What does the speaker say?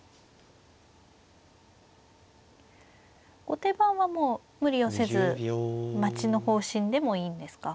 後手番はもう無理をせず待ちの方針でもいいんですか。